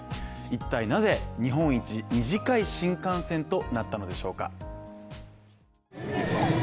一体なぜ、日本一短い新幹線となったのでしょうか。